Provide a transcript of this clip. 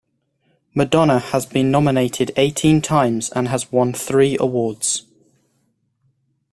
Madonna has been nominated eighteen times and has won three awards.